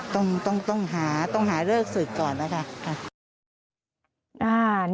ต้องหาเลิกศึกก่อนนะคะ